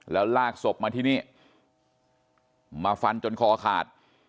แล้วลากศพมาที่นี่มาฟันจนคอขาด